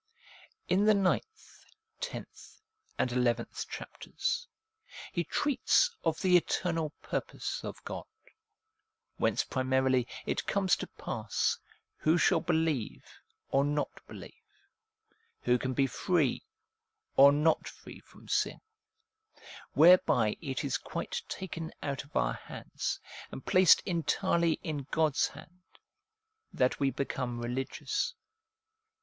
In the ninth, tenth, and eleventh chapters, he treats of the eternal purpose of God, whence primarilv it comes to pass, who shall believe or not believe, who can be free or not free from sin ; whereby it is quite taken out of our hands, and placed entirely in God's hand, that we become religious.